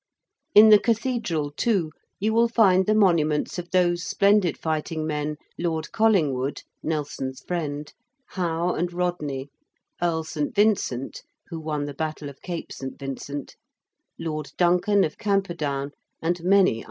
In the Cathedral, too, you will find the monuments of those splendid fighting men, Lord Collingwood, Nelson's friend: Howe and Rodney: Earl St. Vincent, who won the battle of Cape St. Vincent: Lord Duncan of Camperdown, and many others.